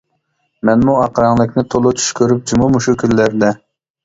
مەنمۇ ئاق رەڭلىكنى تولا چۈش كۆرۈپ جۇمۇ مۇشۇ كۈنلەردە.